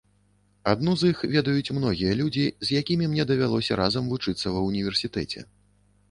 Адну з іх ведаюць многія людзі, з якімі мне давялося разам вучыцца ва ўніверсітэце.